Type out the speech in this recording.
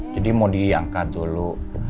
jadi mau diangkat dulu